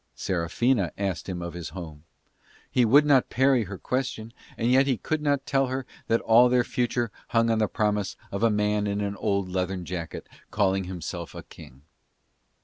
Serafina asked him of his home. He would not parry her question, and yet he could not tell her that all their future hung on the promise of a man in an old leathern jacket calling himself a king.